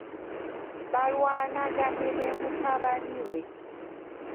Balwanaganye ne mutabani we.